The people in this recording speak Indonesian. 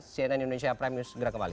cnn indonesia prime news segera kembali